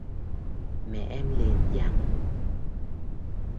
mẹ em liền dặn